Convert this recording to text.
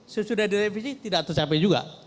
sesudah direvisi tidak tercapai juga